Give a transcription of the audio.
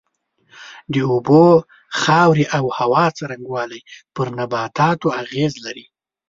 د اوبو، خاورې او هوا څرنگوالی پر نباتاتو اغېز لري.